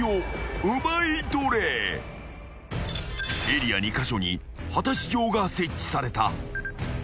［エリア２カ所に果たし状が設置された］